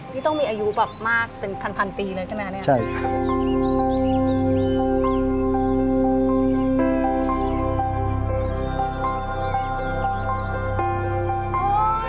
นี่ต้องมีอายุแบบมากเป็นพันปีเลยใช่ไหมคะเนี่ย